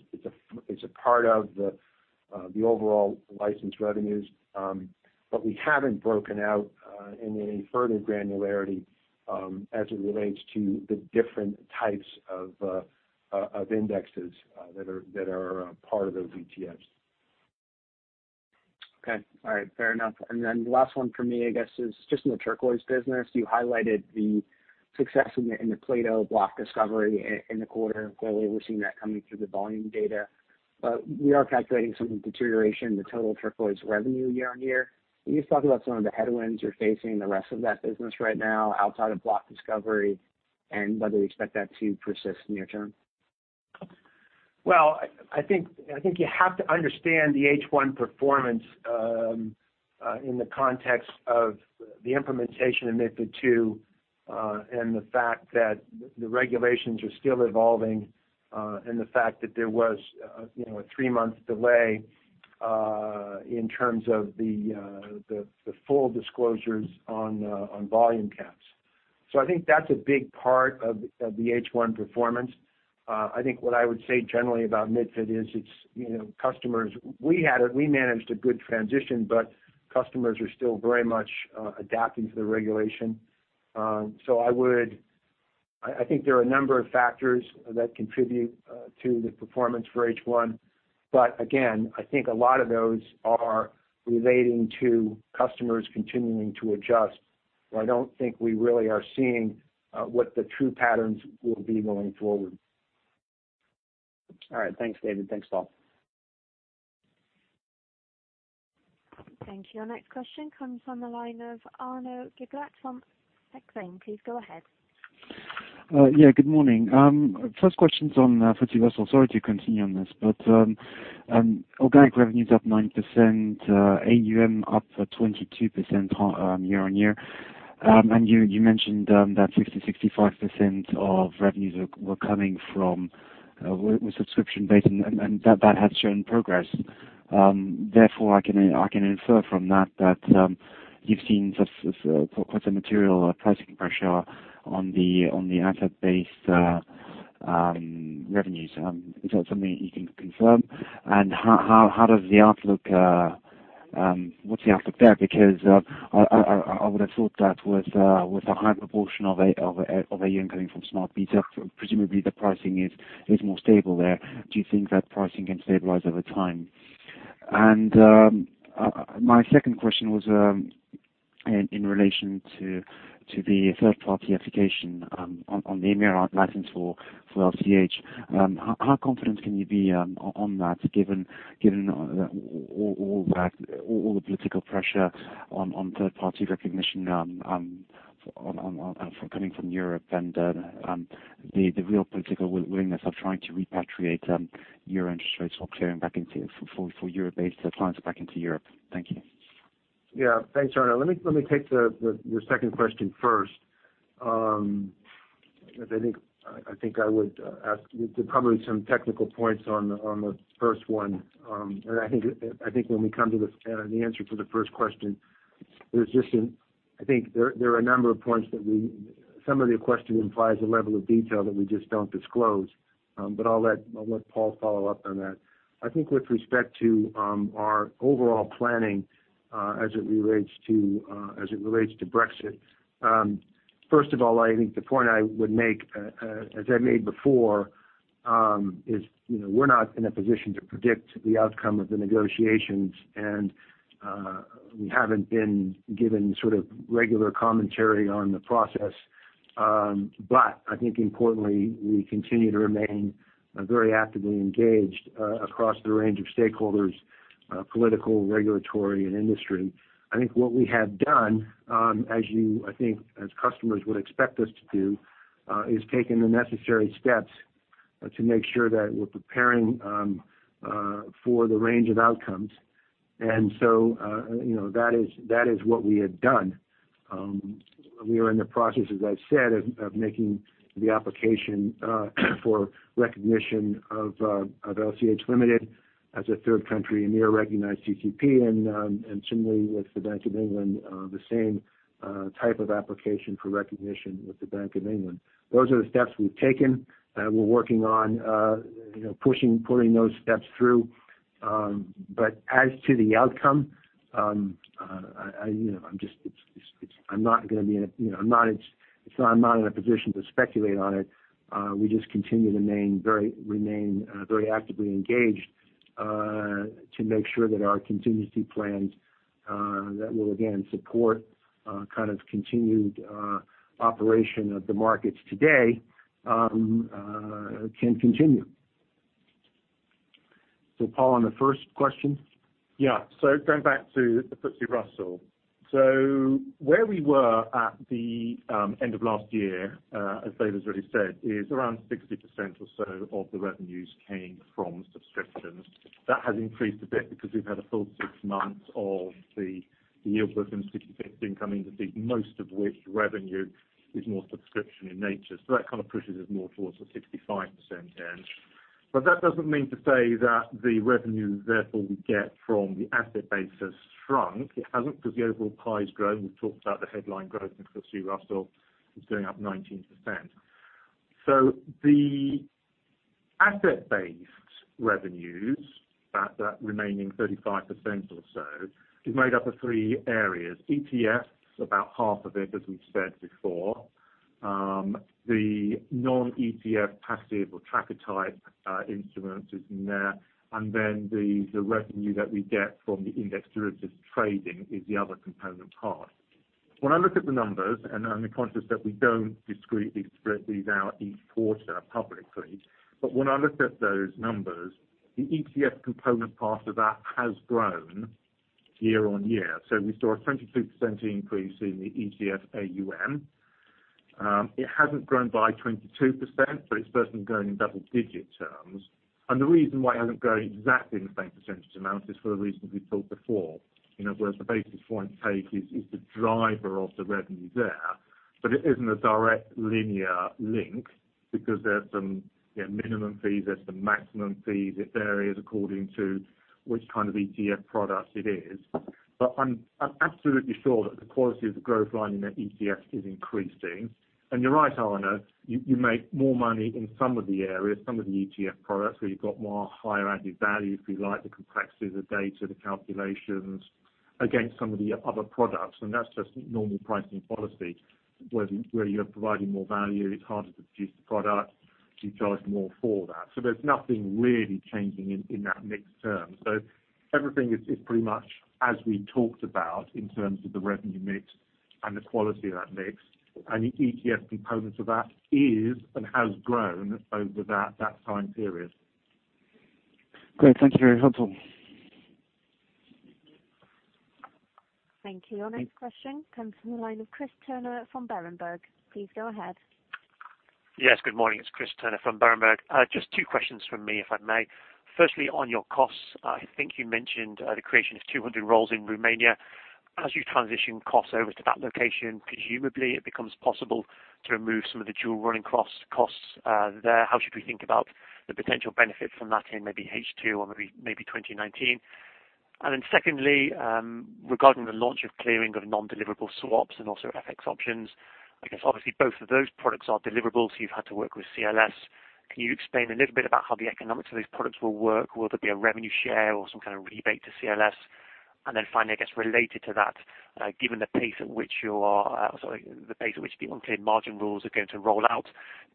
a part of the overall license revenues. We haven't broken out in any further granularity, as it relates to the different types of indexes that are part of those ETFs. Okay. All right. Fair enough. The last one for me, I guess, is just in the Turquoise business. You highlighted the success in the Turquoise Plato Block Discovery in the quarter. Clearly, we're seeing that coming through the volume data. We are calculating some deterioration in the total Turquoise revenue year-on-year. Can you just talk about some of the headwinds you're facing in the rest of that business right now outside of Block Discovery, and whether you expect that to persist near-term? I think you have to understand the H1 performance in the context of the implementation of MiFID II, and the fact that the regulations are still evolving, and the fact that there was a three-month delay in terms of the full disclosures on volume caps. I think that's a big part of the H1 performance. I think what I would say generally about MiFID is it's customers. We managed a good transition, but customers are still very much adapting to the regulation. I think there are a number of factors that contribute to the performance for H1. Again, I think a lot of those are relating to customers continuing to adjust. I don't think we really are seeing what the true patterns will be going forward. All right. Thanks, David. Thanks, Paul. Thank you. Our next question comes from the line of Arnaud Gibelin from Exane. Please go ahead. Good morning. First question's on FTSE Russell. Sorry to continue on this, organic revenue's up 90%, AUM up 22% year-on-year. You mentioned that 60%-65% of revenues were coming from subscription-based, and that has shown progress. Therefore, I can infer from that that you've seen quite a material pricing pressure on the asset-based revenues. Is that something you can confirm? What's the outlook there? I would have thought that with a high proportion of AUM coming from Smart Beta, presumably the pricing is more stable there. Do you think that pricing can stabilize over time? My second question was in relation to the third-party application on the EMEA license for LCH. How confident can you be on that given all the political pressure on third-party recognition coming from Europe, and the real political willingness of trying to repatriate your interest rates for clearing for Europe-based clients back into Europe? Thank you. Thanks, Arnaud. Let me take your second question first. I think there are probably some technical points on the first one. I think when we come to the answer for the first question, I think there are a number of points that some of the question implies a level of detail that we just don't disclose. I'll let Paul follow up on that. I think with respect to our overall planning as it relates to Brexit, first of all, I think the point I would make, as I made before, is we're not in a position to predict the outcome of the negotiations, and we haven't been given sort of regular commentary on the process. I think importantly, we continue to remain very actively engaged across the range of stakeholders, political, regulatory, and industry. I think what we have done, I think as customers would expect us to do, is taken the necessary steps to make sure that we're preparing for the range of outcomes. That is what we have done. We are in the process, as I've said, of making the application for recognition of LCH Limited as a third country EMEA recognized CCP, and similarly with the Bank of England, the same type of application for recognition with the Bank of England. Those are the steps we've taken. We're working on pushing those steps through. As to the outcome, I'm not in a position to speculate on it. We just continue to remain very actively engaged to make sure that our contingency plans that will again support kind of continued operation of the markets today can continue. Paul, on the first question? Going back to the FTSE Russell. Where we were at the end of last year, as David's already said, is around 60% or so of the revenues came from subscriptions. That has increased a bit because we've had a full six months of the Yield Book and [inaudible] coming to peak, most of which revenue is more subscription in nature. That kind of pushes us more towards the 65% end. That doesn't mean to say that the revenue therefore we get from the asset base has shrunk. It hasn't because the overall pie has grown. We've talked about the headline growth in FTSE Russell is going up 19%. The asset-based revenues, that remaining 35% or so, is made up of three areas. ETFs, about half of it, as we've said before. The non-ETF passive or tracker-type instruments is in there, and then the revenue that we get from the index derivatives trading is the other component part. When I look at the numbers, and I'm conscious that we don't discreetly spread these out each quarter publicly, when I look at those numbers, the ETF component part of that has grown year-on-year. We saw a 22% increase in the ETF AUM. It hasn't grown by 22%, but it's certainly grown in double-digit terms. The reason why it hasn't grown exactly in the same percentage amount is for the reasons we've talked before, where the basis point take is the driver of the revenue there. It isn't a direct linear link because there's some minimum fees, there's some maximum fees at various according to which kind of ETF product it is. I'm absolutely sure that the quality of the growth line in the ETF is increasing. You're right, Arnaud, you make more money in some of the areas, some of the ETF products, where you've got more higher added value, if you like, the complexities, the data, the calculations against some of the other products. That's just normal pricing policy, where you're providing more value, it's harder to produce the product, so you charge more for that. There's nothing really changing in that mixed term. Everything is pretty much as we talked about in terms of the revenue mix and the quality of that mix. The ETF component of that is and has grown over that time period. Great. Thank you, very helpful. Thank you. Your next question comes from the line of Chris Turner from Berenberg. Please go ahead. Yes, good morning. It's Chris Turner from Berenberg. Just two questions from me, if I may. Firstly, on your costs, I think you mentioned the creation of 200 roles in Romania. As you transition costs over to that location, presumably it becomes possible to remove some of the dual running costs there. How should we think about the potential benefit from that in maybe H2 or maybe 2019? Secondly, regarding the launch of clearing of non-deliverable swaps and also FX options, I guess obviously both of those products are deliverable, so you've had to work with CLS. Can you explain a little bit about how the economics of these products will work? Will there be a revenue share or some kind of rebate to CLS? Finally, I guess, related to that, given the pace at which the uncleared margin rules are going to roll out,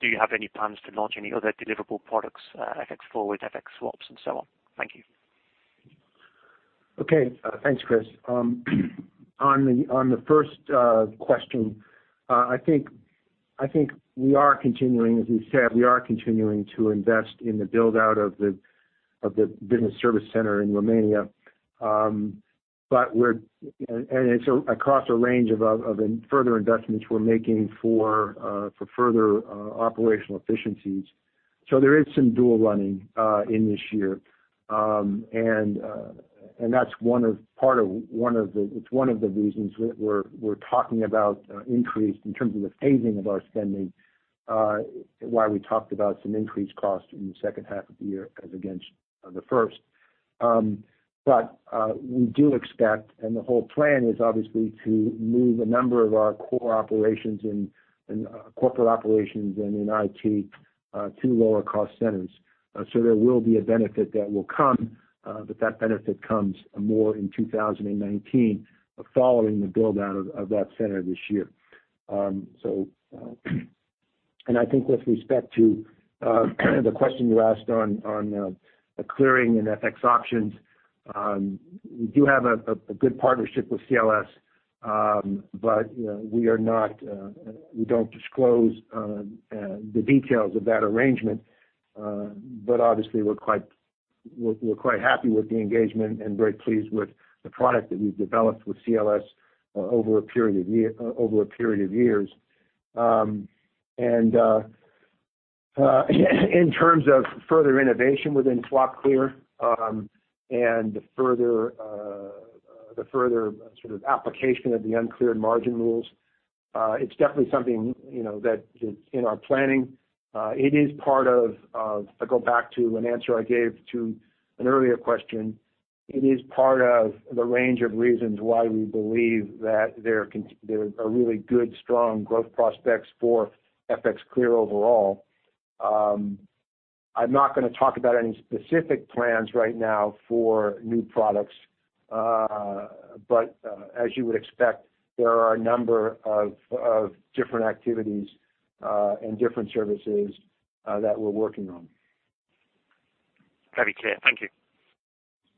do you have any plans to launch any other deliverable products, FX forward, FX swaps and so on? Thank you. Okay. Thanks, Chris. On the first question, I think we are continuing, as we've said, we are continuing to invest in the build-out of the business service center in Romania. It's across a range of further investments we're making for further operational efficiencies. There is some dual running in this year. It's one of the reasons we're talking about increase in terms of the phasing of our spending, why we talked about some increased costs in the second half of the year as against the first. We do expect, and the whole plan is obviously to move a number of our core operations and corporate operations and in IT to lower cost centers. There will be a benefit that will come, but that benefit comes more in 2019 following the build-out of that center this year. I think with respect to the question you asked on the clearing and FX options, we do have a good partnership with CLS, we don't disclose the details of that arrangement. Obviously, we're quite happy with the engagement and very pleased with the product that we've developed with CLS over a period of years. In terms of further innovation within SwapClear and the further application of the uncleared margin rules, it's definitely something that is in our planning. I go back to an answer I gave to an earlier question. It is part of the range of reasons why we believe that there are really good, strong growth prospects for ForexClear overall. I'm not going to talk about any specific plans right now for new products. As you would expect, there are a number of different activities and different services that we're working on. Very clear. Thank you.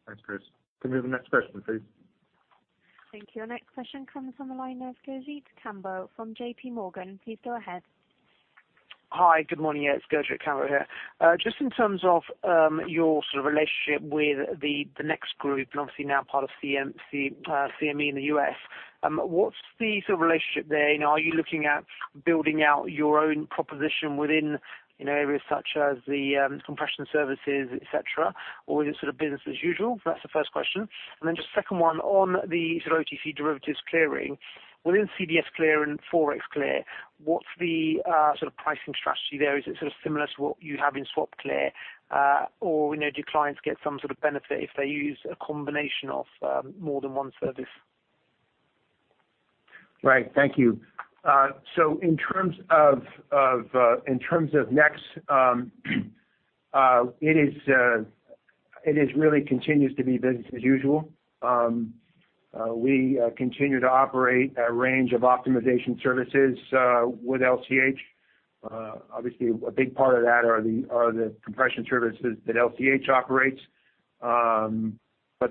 Thanks, Chris. Can we have the next question, please? Thank you. Our next question comes from the line of Gurjit Kambo from J.P. Morgan. Please go ahead. Hi. Good morning. Gurjit Kambo here. Just in terms of your relationship with the NEX Group, and obviously now part of CME Group in the U.S., what's the relationship there? Are you looking at building out your own proposition within areas such as the compression services, etc., or is it business as usual? That's the first question. Just second one on the OTC derivatives clearing. Within CDSClear and ForexClear, what's the pricing strategy there? Is it similar to what you have in SwapClear? Or do clients get some sort of benefit if they use a combination of more than one service? Right. Thank you. In terms of NEX, it is It really continues to be business as usual. We continue to operate a range of optimization services with LCH. Obviously, a big part of that are the compression services that LCH operates.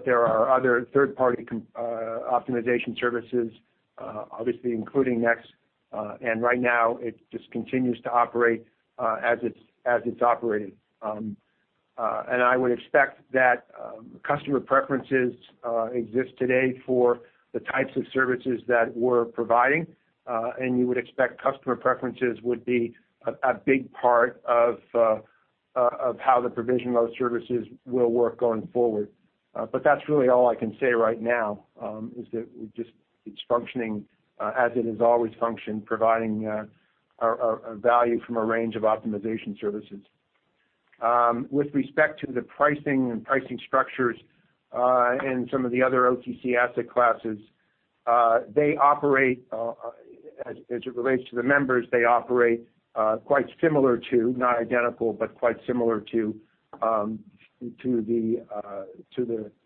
There are other third-party optimization services, obviously including NEX, and right now it just continues to operate as it's operating. I would expect that customer preferences exist today for the types of services that we're providing, and you would expect customer preferences would be a big part of how the provision of those services will work going forward. That's really all I can say right now, is that it's functioning as it has always functioned, providing a value from a range of optimization services. With respect to the pricing and pricing structures in some of the other OTC asset classes, as it relates to the members, they operate quite similar to, not identical, but quite similar to the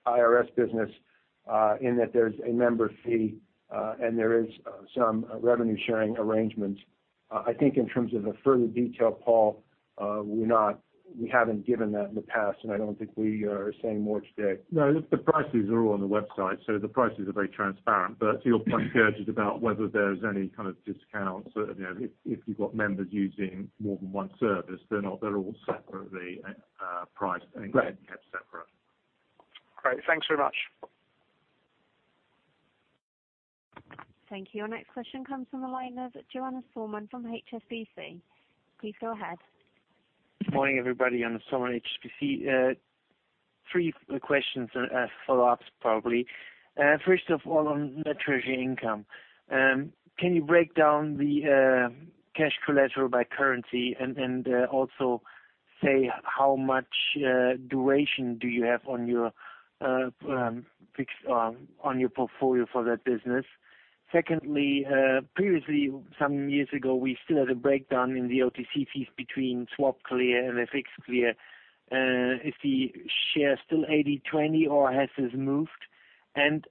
IRS business, in that there's a member fee, and there is some revenue-sharing arrangements. I think in terms of a further detail, Paul, we haven't given that in the past, I don't think we are saying more today. The prices are all on the website. The prices are very transparent. To your point, Gurjit, is about whether there's any kind of discount. If you've got members using more than one service, they're all separately priced- Right Kept separate. Great. Thanks very much. Thank you. Our next question comes from the line of Johannes Thormann from HSBC. Please go ahead. Morning, everybody. Johannes Thormann, HSBC. Three questions and follow-ups probably. First of all, on net treasury income. Can you break down the cash collateral by currency and also say how much duration do you have on your portfolio for that business? Secondly, previously, some years ago, we still had a breakdown in the OTC fees between SwapClear and the FX clear. Is the share still 80/20 or has this moved?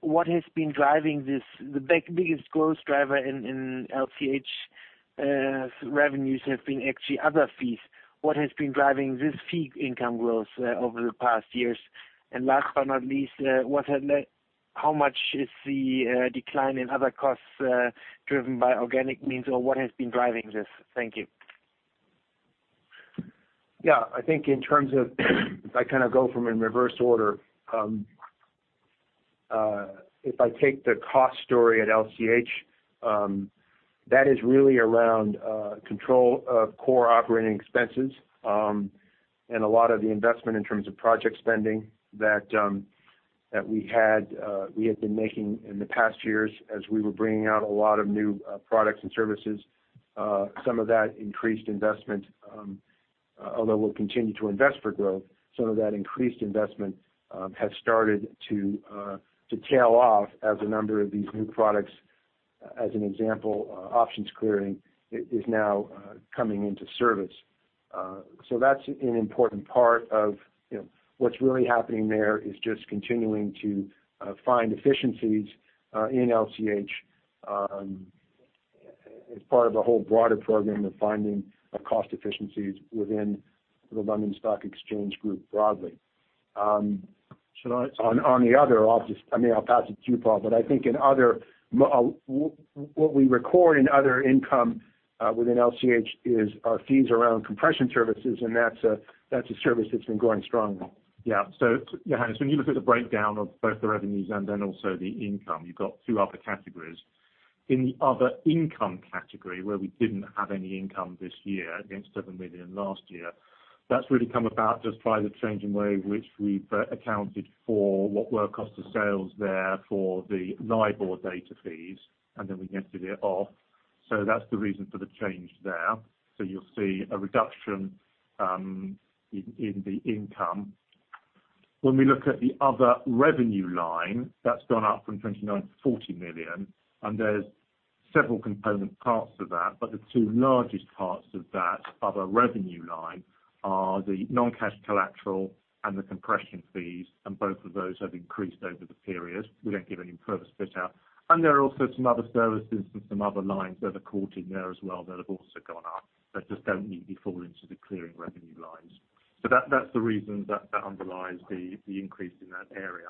What has been driving this, the biggest growth driver in LCH revenues have been actually other fees. What has been driving this fee income growth over the past years? Last but not least, how much is the decline in other costs driven by organic means, or what has been driving this? Thank you. Yeah. I think in terms of if I go from in reverse order. If I take the cost story at LCH, that is really around control of core operating expenses. A lot of the investment in terms of project spending that we had been making in the past years as we were bringing out a lot of new products and services. Some of that increased investment, although we'll continue to invest for growth, some of that increased investment has started to tail off as a number of these new products, as an example, options clearing, is now coming into service. That's an important part of what's really happening there is just continuing to find efficiencies in LCH as part of a whole broader program of finding cost efficiencies within the London Stock Exchange Group broadly. Should I- On the other, I'll just pass it to you, Paul, but I think what we record in other income within LCH is our fees around compression services, that's a service that's been growing strongly. Johannes, when you look at the breakdown of both the revenues and also the income, you've got two other categories. In the other income category, where we didn't have any income this year against 7 million last year, that's really come about just by the change in way which we accounted for what were cost of sales there for the LIBOR data fees, and then we getting it off. That's the reason for the change there. You'll see a reduction in the income. When we look at the other revenue line, that's gone up from 29 million to 40 million, there's several component parts to that, but the two largest parts of that other revenue line are the non-cash collateral and the compression fees, and both of those have increased over the period. We don't give any further split out. There are also some other services and some other lines that are caught in there as well that have also gone up, that just don't neatly fall into the clearing revenue lines. That's the reason that underlies the increase in that area.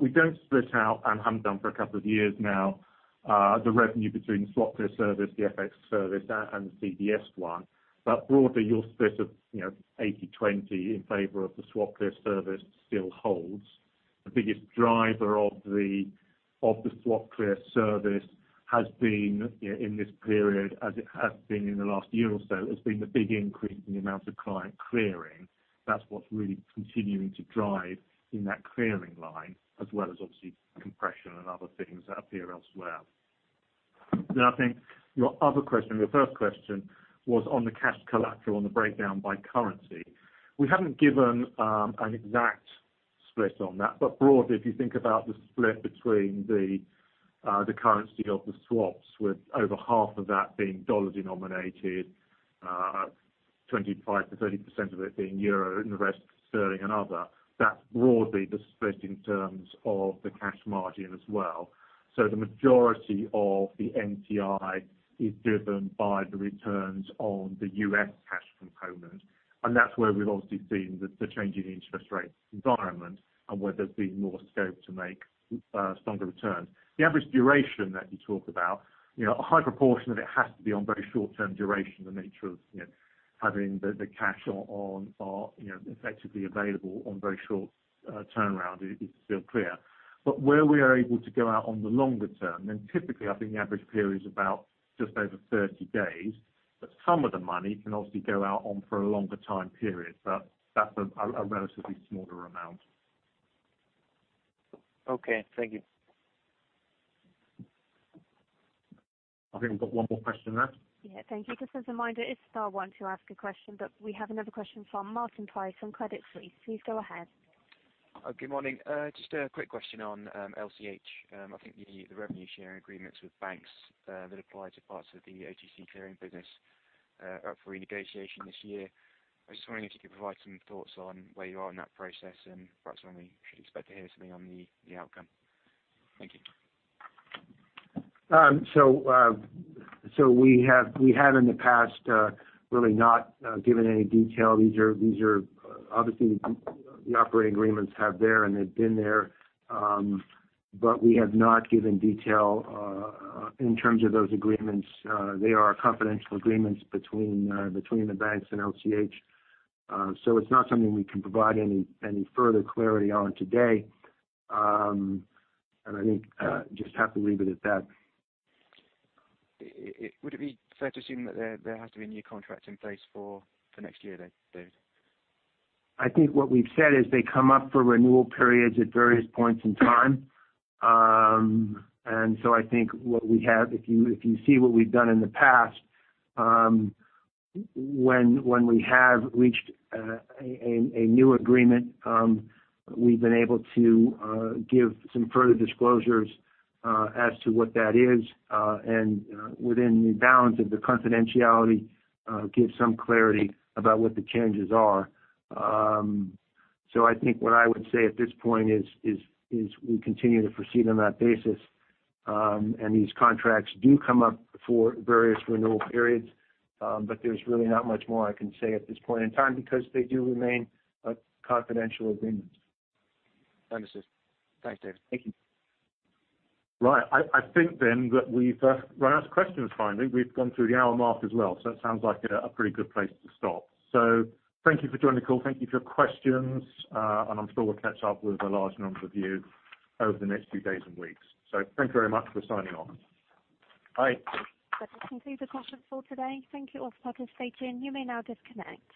We don't split out, and haven't done for a couple of years now, the revenue between SwapClear service, the FX service, and the CDS one. Broadly, your split of 80/20 in favor of the SwapClear service still holds. The biggest driver of the SwapClear service has been, in this period, as it has been in the last year or so, has been the big increase in the amount of client clearing. That's what's really continuing to drive in that clearing line, as well as obviously compression and other things that appear elsewhere. I think your other question, your first question, was on the cash collateral, on the breakdown by currency. We haven't given an exact split on that. Broadly, if you think about the split between the currency of the swaps, with over half of that being dollar-denominated, 25%-30% of it being EUR, and the rest GBP and other, that's broadly the split in terms of the cash margin as well. The majority of the NTI is driven by the returns on the U.S. cash component, and that's where we've obviously seen the change in the interest rate environment and where there's been more scope to make stronger returns. The average duration that you talk about, a high proportion of it has to be on very short-term duration. The nature of having the cash effectively available on very short turnaround is still clear. Where we are able to go out on the longer term, and typically, I think the average period is about just over 30 days, some of the money can obviously go out on for a longer time period. That's a relatively smaller amount. Okay. Thank you. I think we've got one more question left. Thank you. Just as a reminder, it's star one to ask a question, we have another question from Martin Price from Credit Suisse. Please go ahead. Good morning. Just a quick question on LCH. I think the revenue-sharing agreements with banks that apply to parts of the OTC clearing business are up for renegotiation this year. I was wondering if you could provide some thoughts on where you are in that process and perhaps when we should expect to hear something on the outcome. Thank you. We have in the past really not given any detail. Obviously, the operating agreements have there and have been there, but we have not given detail in terms of those agreements. They are confidential agreements between the banks and LCH. It's not something we can provide any further clarity on today. I think just have to leave it at that. Would it be fair to assume that there has to be a new contract in place for next year, then, David? I think what we've said is they come up for renewal periods at various points in time. I think if you see what we've done in the past, when we have reached a new agreement, we've been able to give some further disclosures as to what that is, and within the bounds of the confidentiality, give some clarity about what the changes are. I think what I would say at this point is we continue to proceed on that basis. These contracts do come up for various renewal periods. There's really not much more I can say at this point in time because they do remain confidential agreements. Understood. Thanks, David. Thank you. I think then that we've run out of questions finally. We've gone through the hour mark as well, so it sounds like a pretty good place to stop. Thank you for joining the call. Thank you for your questions. I'm sure we'll catch up with a large number of you over the next few days and weeks. Thank you very much for signing on. Bye. That concludes the conference call today. Thank you all for participating. You may now disconnect.